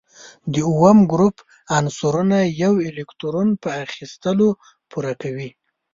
د اووم ګروپ عنصرونه یو الکترون په اخیستلو پوره کوي.